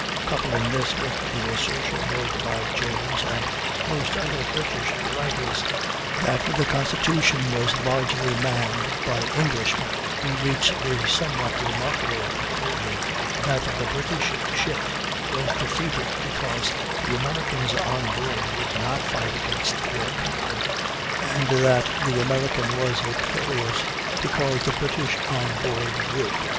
Coupling this with the assertion made by James and most other British writers that the Constitution was largely manned by Englishmen, we reach the somewhat remarkable conclusion, that the British ship was defeated because the Americans on board would not fight against their country, and that the American was victorious because the British on board would.